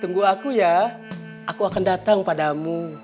tunggu aku ya aku akan datang padamu